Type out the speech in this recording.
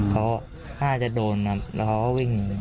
เขาน่าจะโดนครับแล้วเขาก็วิ่งหนี